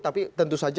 tapi tentu saja